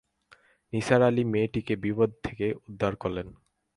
নিসার আলি মেয়েটিকে বিপদ থেকে উদ্ধার করলেন।